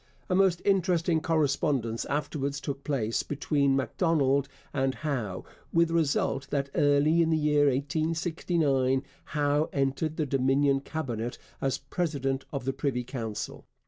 A most interesting correspondence afterwards took place between Macdonald and Howe, with the result that early in the year 1869 Howe entered the Dominion Cabinet as president of the Privy Council.